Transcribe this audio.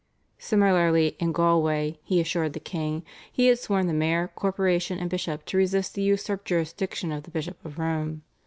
Similarly in Galway, he assured the king, he had sworn the mayor, corporation and bishop to resist the usurped jurisdiction of the Bishop of Rome.